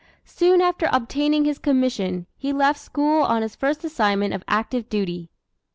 Soon after obtaining his commission, he left school on his first assignment of active duty.